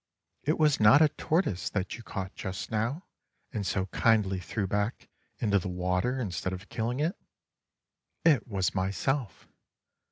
It was not a tortoise that you caught just now, and so kindly threw back into the water instead of killing it. It was myself.